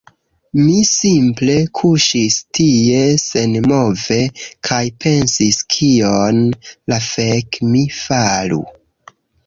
Mi simple kuŝis tie senmove kaj pensis kion la fek' mi faru